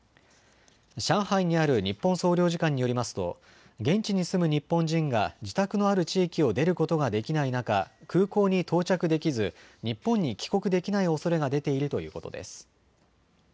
上海にある日本総領事館によりますと現地に住む日本人が自宅のある地域を出ることができない中、空港に到着できず日本に帰国できないおそれが出ているということです。